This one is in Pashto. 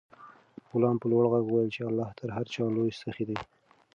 غلام په لوړ غږ وویل چې الله تر هر چا لوی سخي دی.